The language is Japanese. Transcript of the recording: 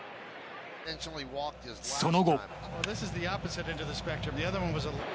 その後。